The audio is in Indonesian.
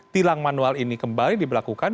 tilang manual ini kembali diberlakukan